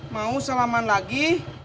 mau salaman lagi